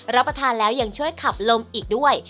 รับประทานแล้วยังช่วยขับลมอีกด้วย